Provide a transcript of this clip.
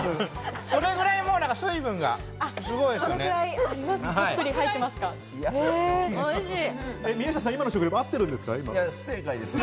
それぐらい水分がすごいですね。